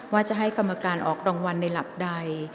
ว่าจะให้กรรมการออกรางวัลในหลักใด